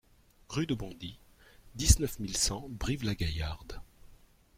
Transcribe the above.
Rue de Bondy, dix-neuf mille cent Brive-la-Gaillarde